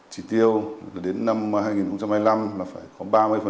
chỉ tiêu đến năm hai nghìn hai mươi năm là phải có ba mươi